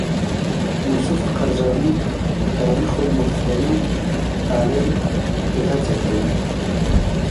یوسف قرضاوي په تاریخنا المفتری علیه کې هڅه کوي.